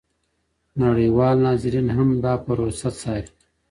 نړیوال ناظرین هم دا پروسه څاري.